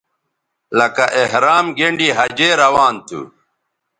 لکہ احرام گینڈی حجے روان تھو